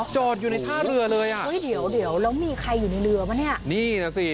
จอดอยู่ในท่าเรือเลยอะโอ้ยเดี๋ยวแล้วมีใครอยู่ในเรือปะเนี่ย